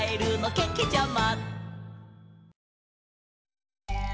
けけちゃま！